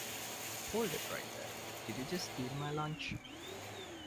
Hold it right there! Did you just steal my lunch?!